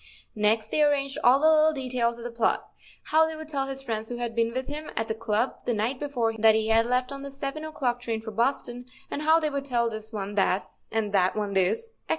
Next they arranged all the little details of the plot—how they would tell his friends who had been with him at the club the night before that he had left on the seven o'clock train for Boston, and how they would tell this one that, and that one this, etc.